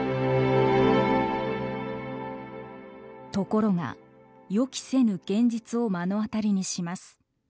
ところが予期せぬ現実を目の当たりにします。